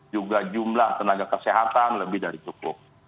juga jumlah tenaga kesehatan lebih dari cukup